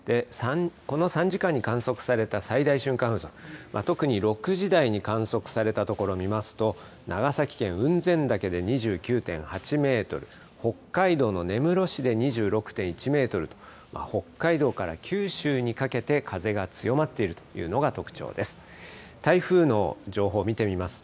この３時間に観測された最大瞬間風速、特に６時台に観測された所を見ますと、長崎県雲仙岳で２９．８メートル、北海道の根室市で２６．１メートルと、北海道から九州にかけて風が強まっているというのが特徴です。